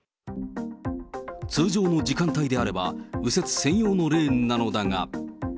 通常の時間帯であれば、右折専用のレーンなのだが。